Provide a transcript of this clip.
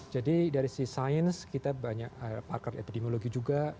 jadi dari si sains kita banyak parker epidemiologi juga